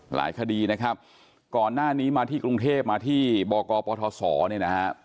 หลายคดีนะครับก่อนหน้านี้มาที่กรุงเทพมาที่บกปทศเนี่ยนะฮะ